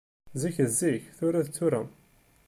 Zik d zik, tura d tura.